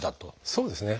そうですね。